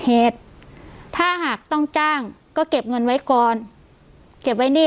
เหตุถ้าหากต้องจ้างก็เก็บเงินไว้ก่อนเก็บไว้หนี้